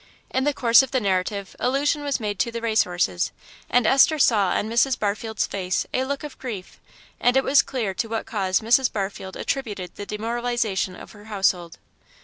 In the course of the narrative allusion was made to the race horses, and Esther saw on Mrs. Barfield's face a look of grief, and it was clear to what cause Mrs. Barfield attributed the demoralisation of her household.